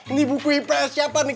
ini buku iprah siapa nih